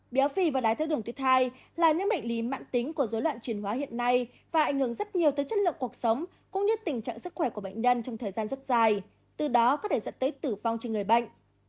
béo phì và đái tháo đường tuyếp hai là những bệnh lý mạng tính của dối loạn truyền hóa hiện nay và ảnh hưởng rất nhiều tới chất lượng cuộc sống cũng như tình trạng sức khỏe của bệnh nhân trong thời gian rất dài từ đó có thể dẫn tới tử vong trên người bệnh